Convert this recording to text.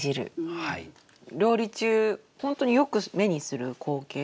料理中本当によく目にする光景。